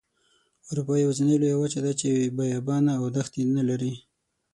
اروپا یوازینۍ لویه وچه ده چې بیابانه او دښتې نلري.